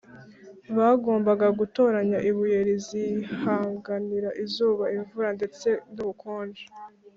bagombaga gutoranya ibuye rizihanganira izuba, imvura ndetse n’ubukonje